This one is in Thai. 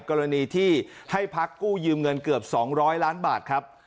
กรณีที่ให้พักกู้ยืมเงินเกือบ๒๐๐ล้านบาทครับ